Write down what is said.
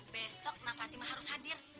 besok nak fatima harus hadir